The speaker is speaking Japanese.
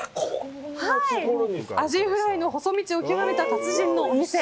アジフライの細道を極めた達人のお店。